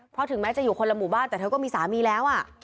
เพราะถึงแม้จะอยู่คนละหมู่บ้านแต่เธอก็มีสามีแล้ว